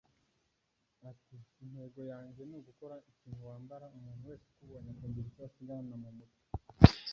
Ati” Intego yanjye ni ugukora ikintu wambara umuntu wese ukubonye akagira icyo asigarana mu mutwe